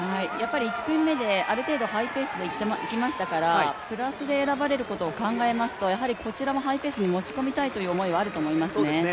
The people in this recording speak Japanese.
１組目である程度ハイペースでいきましたからプラスで選ばれることを考えますとこちらもハイペースに持ち込みたいという考えがあると思いますね。